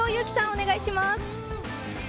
お願いします。